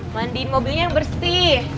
mandiin mobilnya yang bersih